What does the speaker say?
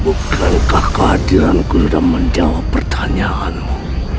bukankah kehadiranku dan menjawab pertanyaanmu